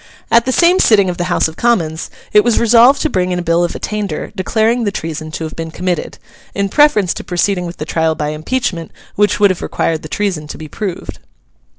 At the same sitting of the House of Commons it was resolved to bring in a bill of attainder declaring the treason to have been committed: in preference to proceeding with the trial by impeachment, which would have required the treason to be proved.